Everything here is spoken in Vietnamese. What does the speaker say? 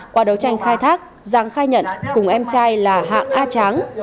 qua đấu tranh khai thác giang khai nhận cùng em trai là hạng a tráng